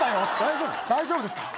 大丈夫ですか？